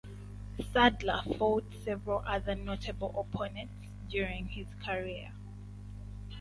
Saddler fought several other notable opponents during his career.